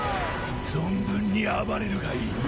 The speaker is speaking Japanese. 存分に暴れるがいい。